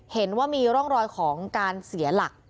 เห็นว่ามีร่องรอยของการเสียหลัก